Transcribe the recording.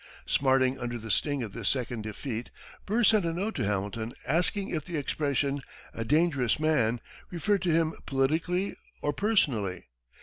Smarting under the sting of this second defeat, Burr sent a note to Hamilton asking if the expression, "a dangerous man," referred to him politically or personally.